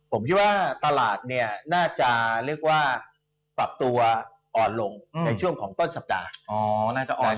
ผมคิดว่าตลาดน่าจะฝับตัวอ่อนลงในช่วงของต้นสัปดาห์